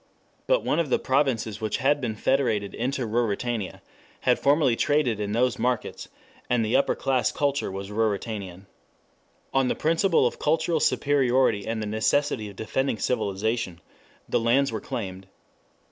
But one of the provinces which had been federated into Ruritania had formerly traded in those markets, and the upper class culture was Ruritanian. On the principle of cultural superiority and the necessity of defending civilization, the lands were claimed.